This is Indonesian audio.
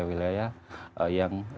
terima kasih pak